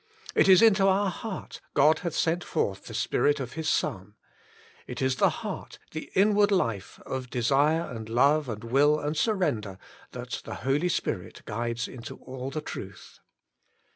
It is into our heart God hath sent forth the Spirit of His Son. It is the heart, the inward life of desire and love and will and sur render, that the Holy Spirit guides into all the truth.